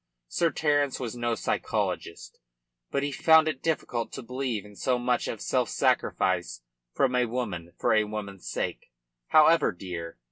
Sir Terence was no psychologist. But he found it difficult to believe in so much of self sacrifice from a woman for a woman's sake, however dear.